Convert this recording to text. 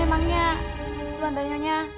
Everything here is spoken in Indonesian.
memangnya tuan dan nyonya